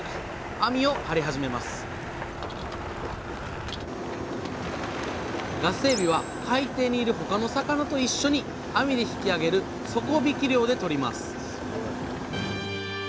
網を張り始めますガスエビは海底にいる他の魚と一緒に網で引き上げる底引き漁でとります